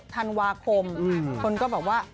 ๑๖ธันวาคมคนก็บอกว่า